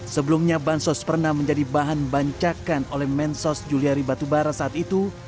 sebelumnya bansos pernah menjadi bahan bancakan oleh mensos juliari batubara saat itu